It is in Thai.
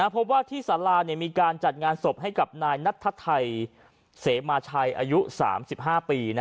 พบว่าที่สารามีการจัดงานศพให้กับนายนัทไทยเสมาชัยอายุ๓๕ปี